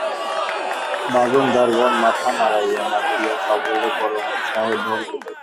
বাজনদারগণ মাথা নাড়াইয়া নাচিয়া সবলে পরমোৎসাহে ঢোল পিটাইতেছে।